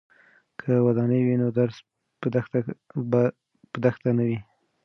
که ودانۍ وي نو درس په دښته نه وي.